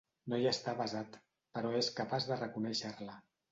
No hi està avesat, però és capaç de reconèixer-la.